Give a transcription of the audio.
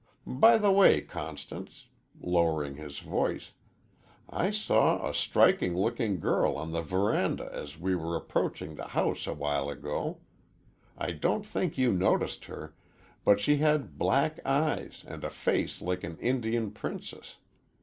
By the way, Constance," lowering his voice, "I saw a striking looking girl on the veranda as we were approaching the house a while ago. I don't think you noticed her, but she had black eyes and a face like an Indian princess.